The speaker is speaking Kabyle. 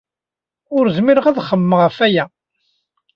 Ur zmireɣ ad xemmemeɣ ɣef waya.